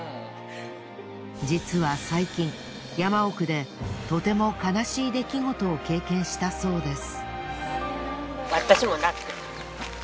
実は最近山奥でとても悲しい出来事を経験したそうです。